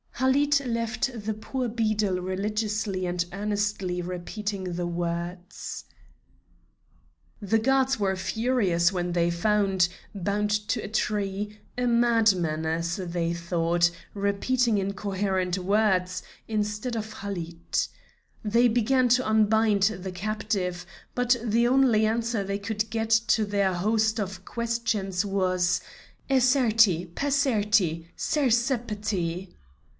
Halid left the poor beadle religiously and earnestly repeating the words. The guards were furious when they found, bound to the tree, a madman, as they thought, repeating incoherent words, instead of Halid. They began to unbind the captive, but the only answer they could get to their host of questions was 'Esserti, Pesserti, Sersepeti.'